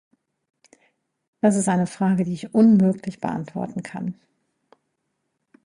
Das ist eine Frage die ich unmöglich beantworten kann.